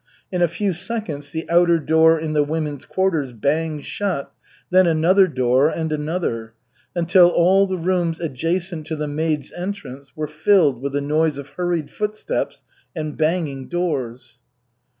In a few seconds the outer door in the women's quarters banged shut, then another door, and another, until all the rooms adjacent to the maids' entrance were filled with a noise of hurried footsteps and banging doors.